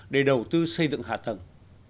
để đầu tư xây dựng hạ tầng